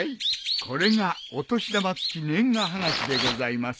これがお年玉付年賀はがきでございます。